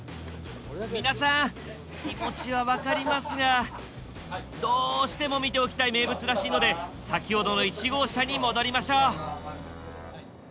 皆さん気持ちは分かりますがどうしても見ておきたい名物らしいので先ほどの１号車に戻りましょう。